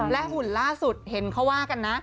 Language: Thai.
หุ่นล่าสุดเห็นเขาว่ากันนะ